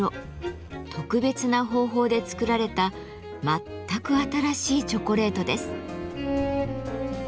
特別な方法で作られた全く新しいチョコレートです。